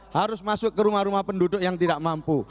harus masuk ke rumah rumah penduduk yang tidak mampu